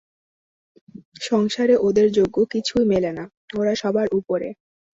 সংসারে ওঁদের যোগ্য কিছুই মেলে না, ওঁরা সবার উপরে।